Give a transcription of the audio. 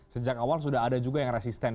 sejak awal sudah ada juga yang resisten